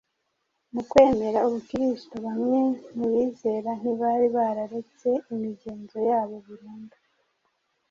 Mu kwemera Ubukristo, bamwe mu bizera ntibari bararetse imigenzo yabo burundu.